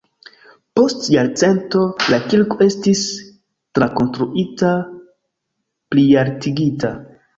Post jarcento la kirko estis trakonstruita, plialtigita.